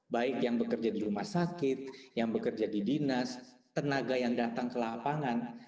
baik yang bekerja di rumah sakit yang bekerja di dinas tenaga yang datang ke lapangan